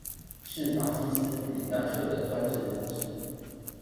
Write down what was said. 是法西斯與納粹的專權統治